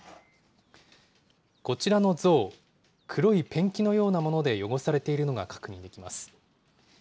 こちらの像、黒いペンキのようなもので汚されているのが確認できます。